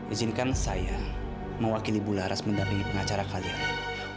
izinkan saya mewakili bularas mendampingi pengacara kalian